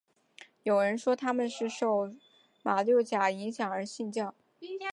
有人说他们是受马六甲影响而信教。